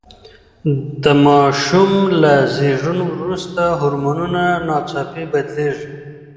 د ماشوم له زېږون وروسته هورمونونه ناڅاپي بدلیږي.